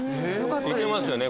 行けますよね。